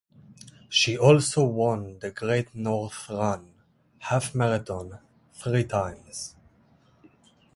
She also won the Great North Run Half Marathon three times.